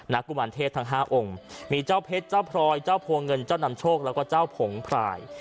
กุมารเทพทั้ง๕องค์มีเจ้าเพชรเจ้าพรอยเจ้าพวงเงินเจ้านำโชคแล้วก็เจ้าผงพราย